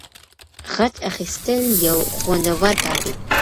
غچ اخیستل یو خوندور کار دی.